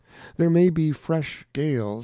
There may be fresh Gales .